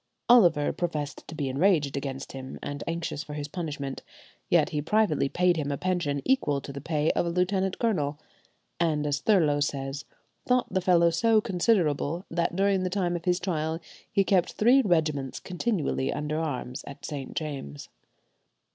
Oliver professed to be enraged against him, and anxious for his punishment, yet he privately paid him a pension equal to the pay of a lieutenant colonel, and, as Thurloe says, "thought the fellow so considerable, that during the time of his trial he kept three regiments continually under arms at St. James'."